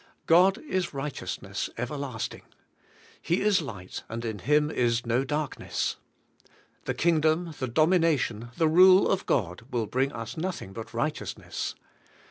God is righteousness everlasting. "He is Light, and G4 THE KINGDOM FIRST in Him is no darkness.'' The Kingdom, the domination, the rule of God will bring us nothing but righteousness.